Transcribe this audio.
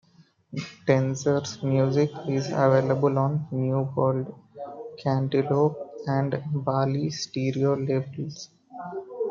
Tenzer's music is available on New World, Canteloupe and Bali Stereo labels.